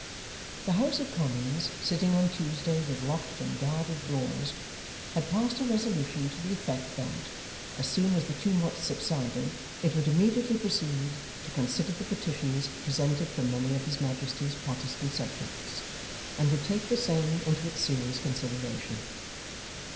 The House of Commons, sitting on Tuesday with locked and guarded doors, had passed a resolution to the effect that, as soon as the tumults subsided, it would immediately proceed to consider the petitions presented from many of his Majesty's Protestant subjects, and would take the same into its serious consideration.